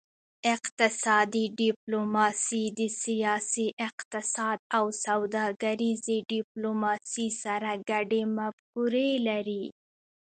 اقتصادي ډیپلوماسي د سیاسي اقتصاد او سوداګریزې ډیپلوماسي سره ګډې مفکورې لري